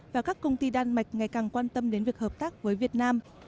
và các công ty đan mạch ngày càng quan tâm đến việc hợp tác với việt nam